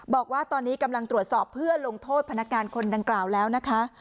บอกว่าตอนนี้กำลังตรวจสอบเพื่อลงโทษพนักงานคนดังกล่าวแล้วนะคะ